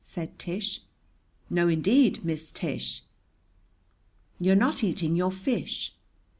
said Tish. "No, indeed, Miss Tish." "You're not eating your fish."